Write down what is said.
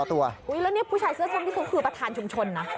แล้วนี่ผู้ชายเสื้อส้มที่เขาคือประธานชุมชนนะ